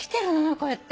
こうやって。